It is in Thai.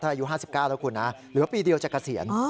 แล้วถ้าอายุ๕๙แล้วคุณหรือว่าปีเดียวจะเกษียณ